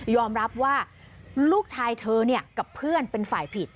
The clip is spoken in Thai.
รับว่าลูกชายเธอกับเพื่อนเป็นฝ่ายผิด